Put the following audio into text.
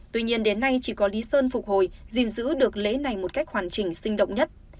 tuy nhiên đến nay chỉ có lý sơn phục hồi gìn giữ được lễ này một cách hoàn chỉnh sinh động nhất